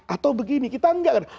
atau begini kita enggak kan